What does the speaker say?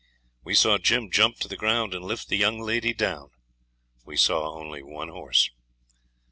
We saw Jim jump to the ground and lift the young lady down. We saw only one horse.